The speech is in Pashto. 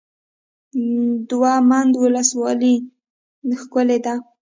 دوه منده ولسوالۍ ښکلې ده؟